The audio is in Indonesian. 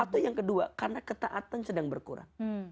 atau yang kedua karena ketaatan sedang berkurang